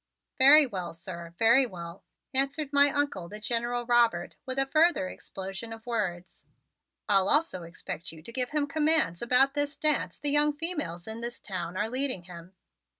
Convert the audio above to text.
"Very well, sir, very well," answered my Uncle, the General Robert, with a further explosion of words. "I'll also expect you to give him commands about this dance the young females in this town are leading him."